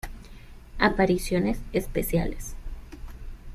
Apariciones especiales